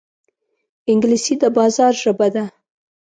انګلیسي د بازار ژبه ده